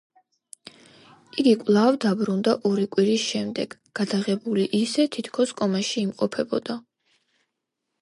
იგი კვლავ დაბრუნდა ორი კვირის შემდეგ, გადაღებული ისე, თითქოს კომაში იმყოფებოდა.